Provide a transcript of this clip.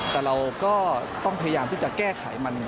แต่เราก็ต้องพยายามที่จะแก้ไขมัน